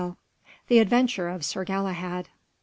III. The Adventure of Sir Galahad.